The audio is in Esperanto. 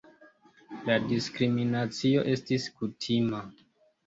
La diskriminacio estis kutima.